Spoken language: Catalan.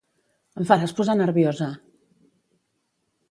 —Em faràs posar nerviosa!